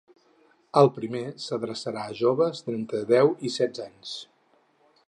El primer s’adreçarà a joves d’entre deu i setze anys.